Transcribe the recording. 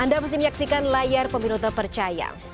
anda mesti menyaksikan layar peminuta percaya